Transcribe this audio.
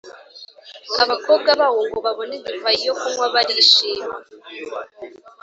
abakobwa bawo, ngo babone divayi yo kunywa barishima